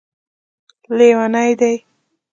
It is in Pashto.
لیوني دی